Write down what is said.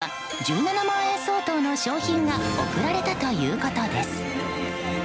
優勝したこの男性には１７万円相当の賞品が贈られたということです。